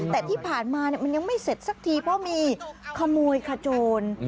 แต่ที่ผ่านมามันยังไม่เสร็จสักทีเพราะมีขโมยขโจร